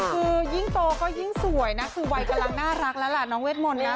คือยิ่งโตก็ยิ่งสวยนะคือวัยกำลังน่ารักแล้วล่ะน้องเวทมนต์นะ